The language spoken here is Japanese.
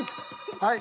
はい。